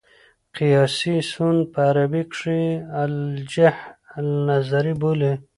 قیاسي سون په عربي کښي الهج النظري بولي.